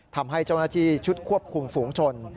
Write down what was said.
ทำให้เจ้าหน้าที่ชุดควบคุมฝูงชน